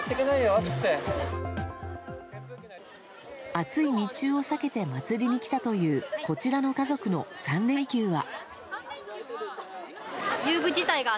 暑い日中を避けて祭りに来たというこちらの家族の３連休は。